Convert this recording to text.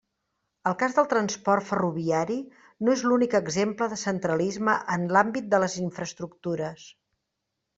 El cas del transport ferroviari no és l'únic exemple de centralisme en l'àmbit de les infraestructures.